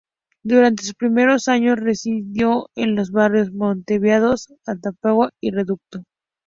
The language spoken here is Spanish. Durante sus primeros años residió en los barrios montevideanos Atahualpa y Reducto.